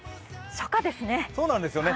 初夏ですね。